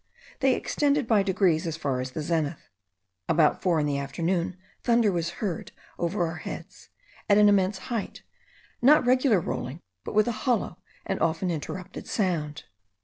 They extended by degrees as far as the zenith. About four in the afternoon thunder was heard over our heads, at an immense height, not regularly rolling, but with a hollow and often interrupted sound.